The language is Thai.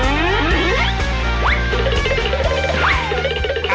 เอ๊ะ